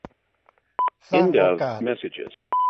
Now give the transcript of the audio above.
สร้างโอกาส